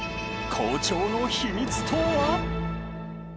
好調の秘密とは？